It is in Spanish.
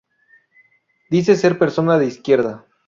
Dice ser persona "de izquierda".